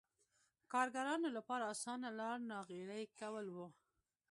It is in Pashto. کارګرانو لپاره اسانه لار ناغېړي کول و.